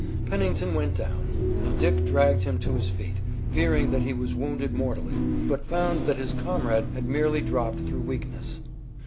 Pennington went down, and Dick dragged him to his feet, fearing that he was wounded mortally, but found that his comrade had merely dropped through weakness.